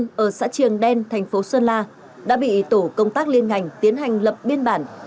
chị quang thị thúy văn ở xã trường đen thành phố sơn la đã bị tổ công tác liên ngành tiến hành lập biên bản